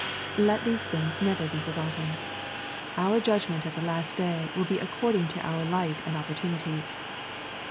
Let these things never be forgotten. Our judgment at the last day will be according to our light and opportunities.